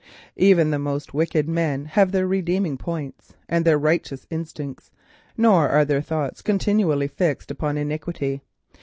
Even the most wicked men have their redeeming points and righteous instincts, nor are their thoughts continually fixed upon iniquity.